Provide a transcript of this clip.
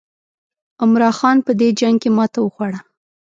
عمرا خان په دې جنګ کې ماته وخوړه.